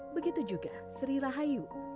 begitu juga sri rahayu